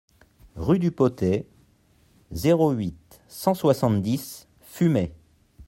Rue du Potay, zéro huit, cent soixante-dix Fumay